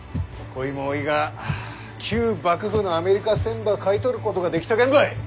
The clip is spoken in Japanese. こいもおいが旧幕府のアメリカ船ば買い取ることができたけんばい。